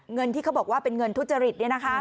เงินที่เขาบอกว่าเป็นเงินทุจริต